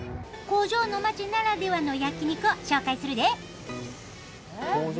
工場の町ならではの焼き肉を紹介するで。